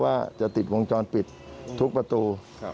ว่าจะติดวงจรปิดทุกประตู